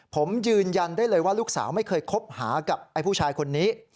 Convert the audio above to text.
ผมยืนยันได้เลยว่าลูกสาวไม่เคยคบหากับไอ้ผู้ชายคนนี้